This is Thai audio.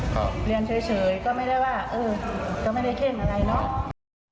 ก็เรียนเฉยก็ไม่ได้ว่าเออก็ไม่ได้เข้มอะไรเนาะ